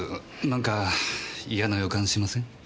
なんか嫌な予感しません？